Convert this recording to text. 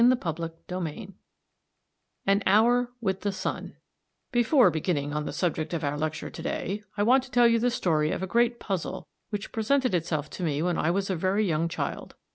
CHAPTER VI AN HOUR WITH THE SUN Before beginning upon the subject of our lecture to day I want to tell you the story of a great puzzle which presented itself to me when I was a very young child.